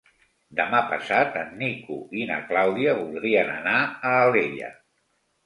Demà passat en Nico i na Clàudia voldrien anar a Alella.